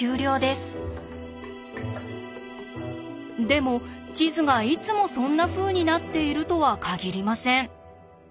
でも地図がいつもそんなふうになっているとは限りません。